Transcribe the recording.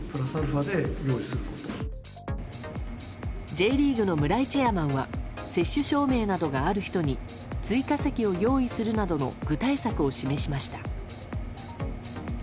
Ｊリーグの村井チェアマンは接種証明などがある人に追加席を用意するなどの具体策を示しました。